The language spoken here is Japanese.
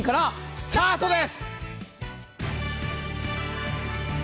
スタートです。